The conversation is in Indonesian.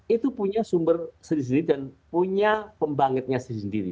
itu punya sumber sendiri sendiri dan punya pembangunan sendiri sendiri